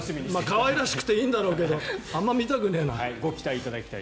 可愛くていいんだろうけどあまり見たくないな。